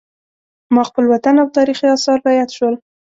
ما خپل وطن او تاریخي اثار را یاد شول.